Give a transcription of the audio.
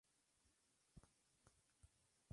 Ashby St.